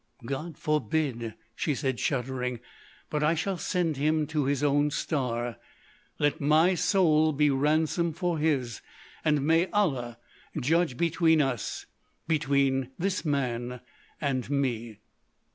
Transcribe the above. "God forbid!" she said, shuddering. "But I shall send him to his own star. Let my soul be ransom for his! And may Allah judge between us—between this man and me."